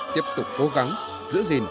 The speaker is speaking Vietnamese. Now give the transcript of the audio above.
tiếp tục cố gắng giữ gìn